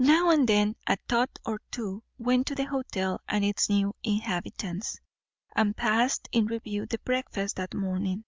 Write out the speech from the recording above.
Now and then a thought or two went to the hotel and its new inhabitants, and passed in review the breakfast that morning.